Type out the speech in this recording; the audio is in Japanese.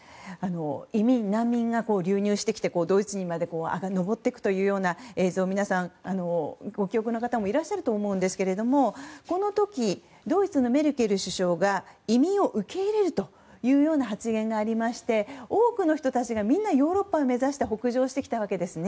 移民・難民が流入してきてドイツにまで上っていくというような映像をご記憶の方もいらっしゃると思うんですがこの時、ドイツのメルケル首相が移民を受け入れるという発言があって多くの人たちがみんなヨーロッパを目指して北上してきたわけです。